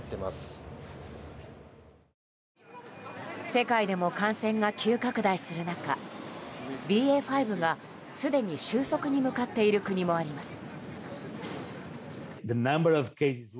世界でも感染が急拡大する中ＢＡ．５がすでに収束に向かっている国もあります。